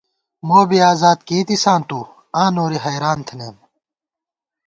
موبی اذاد کېئیتِساں تُو، آں نوری حېریاں تھنَئیم